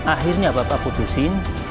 akhirnya bapak putusin